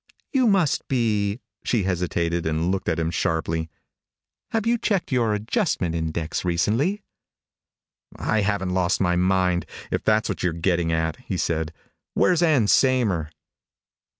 "You must be " She hesitated and looked at him sharply. "Have you checked your adjustment index recently?" "I haven't lost my mind, if that's what you're getting at," he said. "Where's Ann Saymer?"